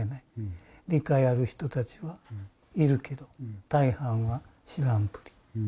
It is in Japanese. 理解ある人達は居るけど大半は知らんぷり。